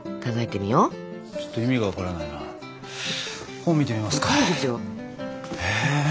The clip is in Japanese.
本見てみますか。